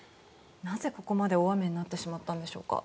なぜここまで大雨になってしまったんでしょうか。